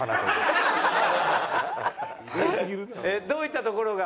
どういったところが？